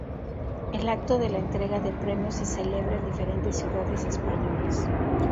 El acto de la entrega de premios se celebra en diferentes ciudades españolas.